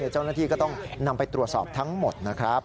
เจ้าหน้าที่ก็ต้องนำไปตรวจสอบทั้งหมดนะครับ